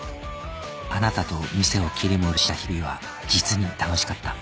あなたと店を切り盛りした日々は実に楽しかった。